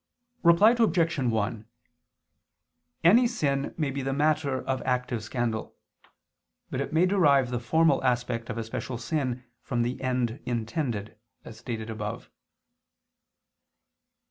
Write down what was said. Reply Obj. 1: Any sin may be the matter of active scandal, but it may derive the formal aspect of a special sin from the end intended, as stated above.